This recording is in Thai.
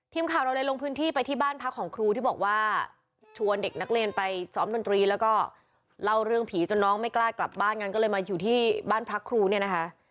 ทีมข่าวเราเลยลงพื้นที่ไปที่บ้านพักของครูที่บอกว่าชวนเด็กนักเรียนไปซ้อมดนตรีแล้วก็เล่าเรื่องผีจนน้องไม่กล้ากลับบ้านกันก็เลยมาอยู่ที่บ้านพักครูเนี่ยนะคะ